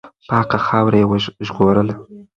پاکه خاوره یې ژغورله.